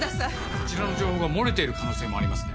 こちらの情報が漏れている可能性もありますね。